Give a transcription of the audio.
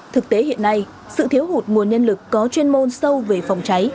thực tế hiện nay sự thiếu hụt nguồn nhân lực có chuyên môn sâu về phòng cháy